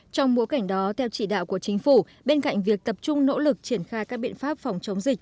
trong bối cảnh đó theo chỉ đạo của chính phủ bên cạnh việc tập trung nỗ lực triển khai các biện pháp phòng chống dịch